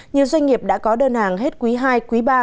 nhiều doanh nghiệp đã có đơn hàng hết quý ii quý ba